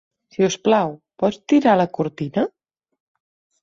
Si us plau, pots tirar la cortina?